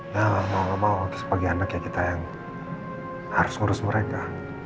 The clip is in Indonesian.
ya mau nggak mau ada sebagiannya kayak kita yang harus ngurus mereka